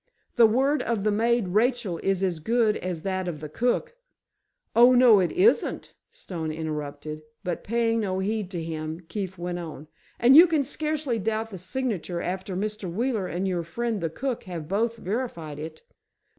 The word of the maid, Rachel, is as good as that of the cook——" "Oh, no, it isn't!" Stone interrupted, but, paying no heed to him, Keefe went on; "and you can scarcely doubt the signature after Mr. Wheeler and your friend the cook have both verified it."